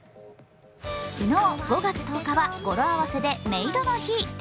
昨日、５月１０日は語呂合わせでメイドの日。